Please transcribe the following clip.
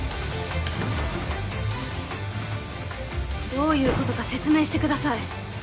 どういうことか説明してください。